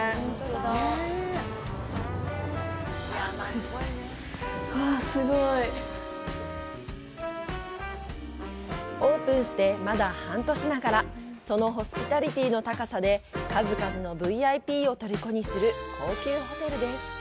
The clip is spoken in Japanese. うわっ、すごい。オープンしてまだ半年ながらそのホスピタリティーの高さで数々のＶＩＰをとりこにする高級ホテルです。